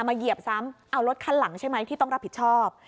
เหยียบซ้ำเอารถคันหลังใช่ไหมที่ต้องรับผิดชอบ